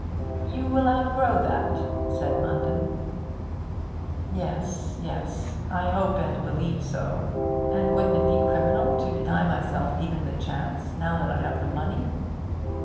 'You will outgrow that,' said Munden. 'Yes, yes, I hope and believe so. And wouldn't it be criminal to deny myself even the chance, now that I have money?